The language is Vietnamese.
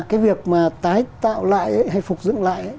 cái việc mà tái tạo lại hay phục dựng lại